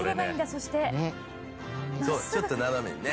そうちょっと斜めにね。